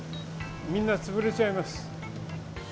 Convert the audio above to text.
みんな潰れちゃいます。